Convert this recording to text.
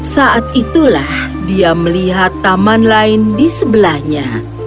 saat itulah dia melihat taman lain di sebelahnya